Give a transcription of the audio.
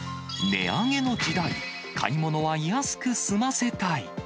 値上げの時代、買い物は安く済ませたい。